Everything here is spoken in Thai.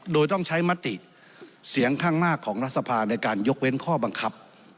โดยต้องใช้มติเสียงข้างหน้าของรัฐสภาในการยกเว้นข้อบังคับ